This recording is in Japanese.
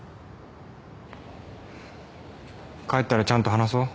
帰ったらちゃんと話そう。